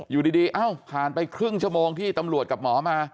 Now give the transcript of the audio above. อยู่ดีเอ้าผ่านไปครึ่งชั่วโมงที่ตำรวจกับหมอมา